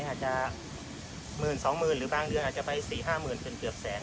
อาจจะหมื่นสองหมื่นหรือบางเดือนอาจจะไปสี่ห้าหมื่นถึงเกือบแสน